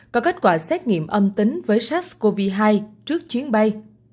có kết quả xét nghiệm âm tính với sars cov hai trước chuyến bay